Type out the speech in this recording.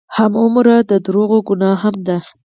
هغومره د دروغو ګناه هم ده.